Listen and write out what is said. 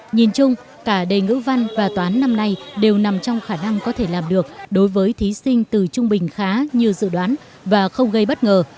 nhìn chung cả đề ngữ văn và toán năm nay đều nằm trong khả năng có thể làm được đối với thí sinh từ trung bình khá như dự đoán và không gây bất ngờ